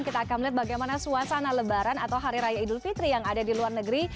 kita akan melihat bagaimana suasana lebaran atau hari raya idul fitri yang ada di luar negeri